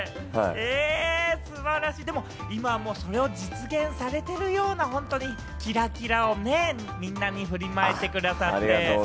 今、それを実現されてるような、本当にキラキラをね、みんなに振りまいてくださって。